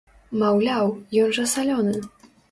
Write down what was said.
Маўляў, ён жа салёны!